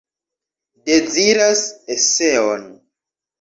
Deziras eseon.